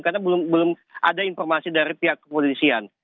karena belum ada informasi dari pihak kepolisian